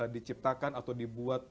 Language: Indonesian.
diciptakan atau dibuat